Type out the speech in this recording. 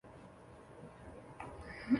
上奥里藏特是巴西戈亚斯州的一个市镇。